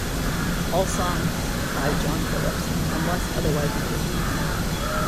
All songs by John Phillips, unless otherwise noted.